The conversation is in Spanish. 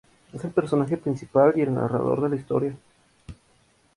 Es el personaje principal y el narrador de la historia.